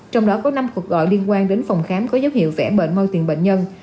trong đó có năm cuộc gọi liên quan đến phòng khám có dấu hiệu vẽ bệnh moi tiền bệnh nhân